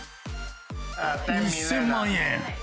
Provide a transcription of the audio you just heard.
１０００万円。